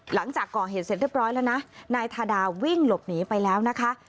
หลังจากก่อเหตุเสร็จเรียบร้อยแล้วนะนายทาดาวิ่งหลบหนีไปแล้วนะคะ